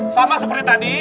sama seperti tadi